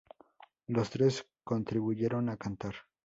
Los tres contribuyeron a cantar.